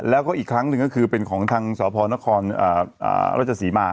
แล้วก็อีกครั้งหนึ่งก็คือเป็นของทางสพนครราชศรีมา